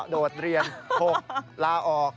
โดดเรียน๖ลาออก